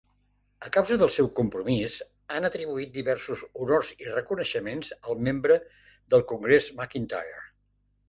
A causa del seu compromís, han atribuït diversos honors i reconeixements al membre del Congrés McIntyre.